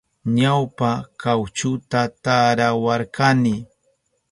Ñawpa kawchuta tarawarkani.